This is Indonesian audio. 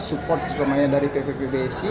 support semuanya dari pppbsi